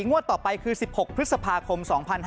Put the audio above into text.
งวดต่อไปคือ๑๖พฤษภาคม๒๕๕๙